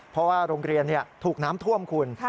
เพราะว่าโรงเรียนถูกน้ำท่วมคุณ